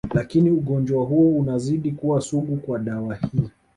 Lakini ugonjwa huo unazidi kuwa sugu kwa dawa hii